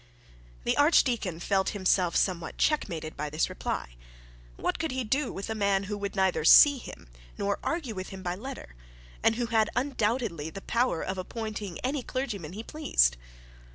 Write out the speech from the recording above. The archdeacon felt himself somewhat checkmated by this reply. What could he do with a man who would neither see him, nor argue with him by letter, and who had undoubtedly the power of appointing any clergyman he pleased?